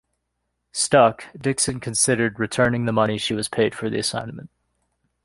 Stuck, Dixon considered returning the money she was paid for the assignment.